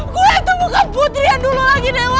gue tuh bukan putri yang dulu lagi dewa